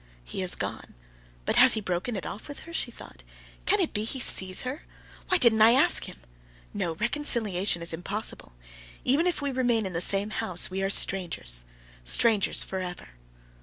"He has gone! But has he broken it off with her?" she thought. "Can it be he sees her? Why didn't I ask him! No, no, reconciliation is impossible. Even if we remain in the same house, we are strangers—strangers forever!"